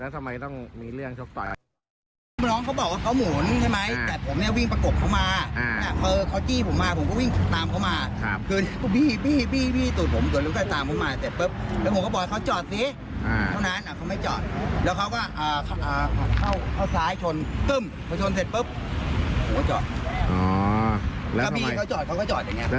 ผมบอกให้เขาจอดแล้วเขาไม่จอดพี่